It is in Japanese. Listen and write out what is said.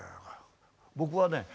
僕はね